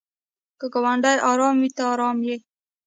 که ګاونډی ارام وي ته ارام یې.